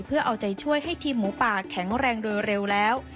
เพื่อเอาใจช่วยให้ทีมหมูป่าแข็งแรงโดยเร็วแล้ว